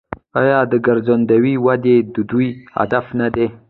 آیا د ګرځندوی وده د دوی هدف نه دی؟